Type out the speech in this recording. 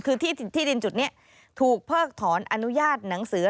คือที่ดินจุดนี้ถูกเพิกถอนอนุญาตหนังสือ